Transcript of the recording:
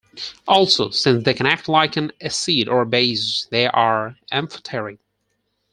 Also, since they can act like an acid or a base, they are amphoteric.